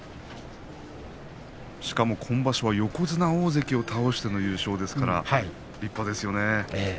しかも、今場所は横綱大関を倒しての優勝ということで立派ですね。